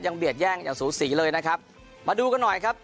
เบียดแย่งอย่างสูสีเลยนะครับมาดูกันหน่อยครับ